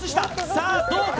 さあどうか？